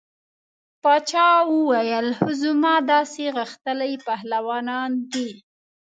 باچا وویل هو زما داسې غښتلي پهلوانان دي.